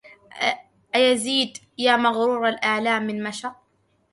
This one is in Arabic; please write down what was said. أيزيد يا مغرور ألأم من مشى